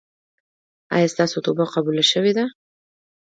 ایا ستاسو توبه قبوله شوې ده؟